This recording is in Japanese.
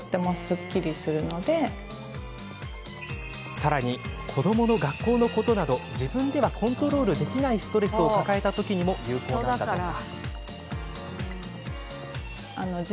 さらに子どもの学校のことなど自分ではコントロールできないストレスを抱えた時にも有効なんだとか。